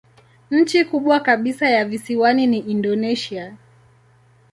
Nchi kubwa kabisa ya visiwani ni Indonesia.